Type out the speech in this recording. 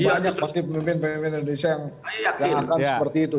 dan banyak pasti pemimpin pemimpin indonesia yang akan seperti itu